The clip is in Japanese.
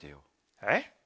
えっ？